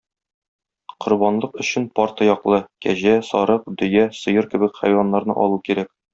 Корбанлык өчен пар тояклы - кәҗә, сарык, дөя, сыер кебек хайваннарны алу кирәк.